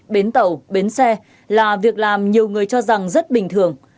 bến tàu bến xe là việc làm nhiều người cho rằng rất bình thường